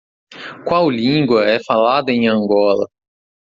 Qual língua é falada em Angola?